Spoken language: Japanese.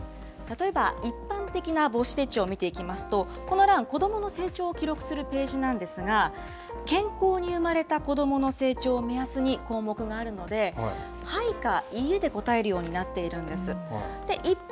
確か一般的な母子手帳を見ていきますと、この欄、子どもの成長を記録するページなんですが、健康的に産まれた子どもの成長を目安に、項目があるので、はいかいいえで答えるようになっているんです。